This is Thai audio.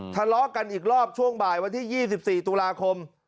ทะเลาะกันอีกรอบช่วงบ่ายวันที่๒๔ตุลาคม